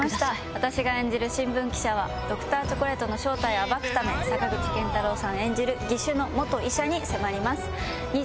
私が演じる新聞記者はＤｒ．チョコレートの正体を暴くため坂口健太郎さん演じる義手の医者に迫ります。